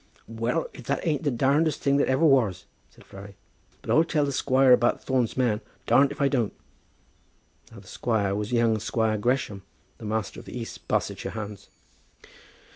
"Well; if that ain't the darn'dest thing that ever was," said Flurry; "but I'll tell the squire about Thorne's man, darned if I don't." Now "the squire" was young Squire Gresham, the master of the East Barsetshire hounds.